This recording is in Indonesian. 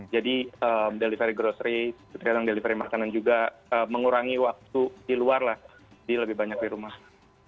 jadi delivery grocery delivery makanan juga mengurangi waktu di luar lah di lebih banyak di rumah